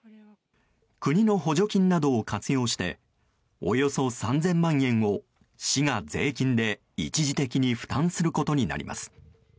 国の補助金などを活用しておよそ３０００万円を市が税金で一時的に負担することになります。